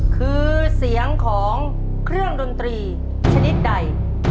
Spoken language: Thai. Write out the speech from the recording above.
คือเสียงของเครื่องดนตรีชนิดใด